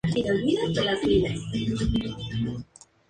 La estación es servida en varios horarios por los trenes del servicio y